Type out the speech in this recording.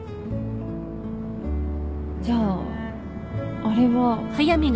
じゃああれは。